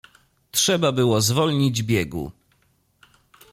"Trzeba było zwolnić biegu."